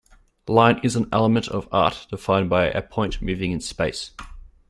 Line is an element of art defined by a point moving in space.